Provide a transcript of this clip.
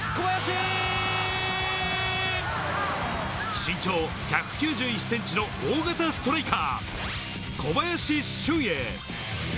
身長１９１ｃｍの大型ストライカー・小林俊瑛。